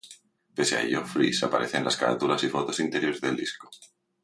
Pese a ello, Freese aparece en las carátulas y fotos interiores del disco.